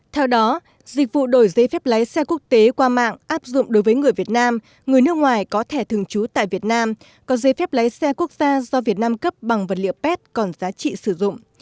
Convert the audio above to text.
theo đó dịch vụ đổi giấy phép lái xe quốc tế qua mạng áp dụng đối với người việt nam người nước ngoài có thẻ thường trú tại việt nam có giấy phép lái xe quốc gia do việt nam cấp bằng vật liệu pet còn giá trị sử dụng